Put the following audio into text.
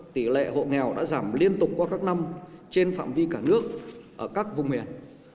tỷ lệ hộ nghèo đã giảm liên tục qua các năm trên phạm vi cả nước ở các vùng miền